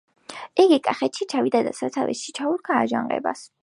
იგი კახეთში ჩავიდა და სათავეში ჩაუდგა აჯანყებას.